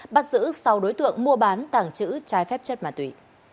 bắt giữ sau đối tượng mua bán tàng trữ trái phép chất ma túy